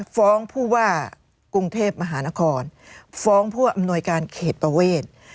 ฟ้องผู้ว่ากรุงเทพมหานครฟ้องผู้อำนวยการเขตประเวท